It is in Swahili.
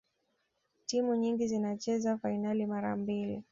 timu nyingi zinacheza fainali mara mbili